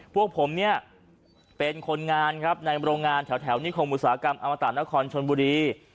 พวกผมเนี่ยเป็นคนงานครับในโรงงานแถวนิคมอุตสาหกรรมอมตะนครชนบุรี